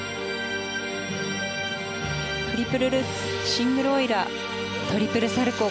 トリプルルッツシングルオイラートリプルサルコウ。